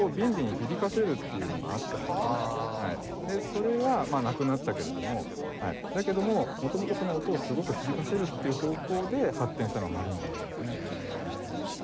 それはなくなったけれどもだけども元々その音をすごく響かせるっていう方向で発展したのがマリンバなんですね。